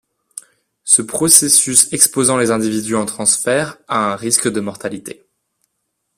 Ce processus exposant les individus en transfert à un risque de mortalité.